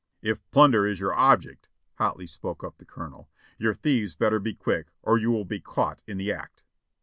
"If plunder is your object," hotly spoke up the Colonel, "your thieves better be quick, or you will be caught in the act."